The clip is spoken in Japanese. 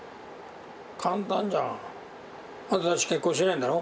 簡単じゃん。あんたたち結婚してないんだろ？